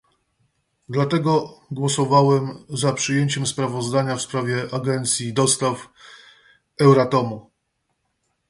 Dlatego głosowałem za przyjęciem sprawozdania w sprawie Agencji Dostaw Euratomu